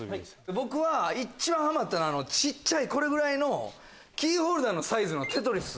僕一番ハマったのはこれぐらいのキーホルダーのサイズの『テトリス』。